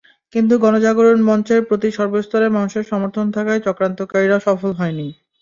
কিন্তু গণজাগরণ মঞ্চের প্রতি সর্বস্তরের মানুষের সমর্থন থাকায় চক্রান্তকারীরা সফল হয়নি।